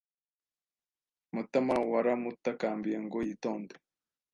Matamawaramutakambiye ngo yitonde.